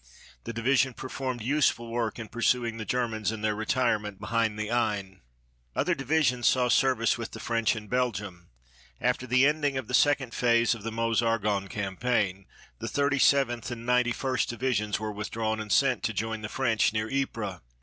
The division performed useful work in pursuing the Germans in their retirement behind the Aisne. Other divisions saw service with the French in Belgium. After the ending of the second phase of the Meuse Argonne campaign, the Thirty seventh and Ninety first Divisions were withdrawn and sent to join the French near Ypres.